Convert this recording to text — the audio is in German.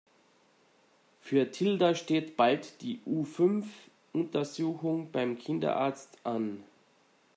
Für Tilda steht bald die U-Fünf Untersuchung beim Kinderarzt an.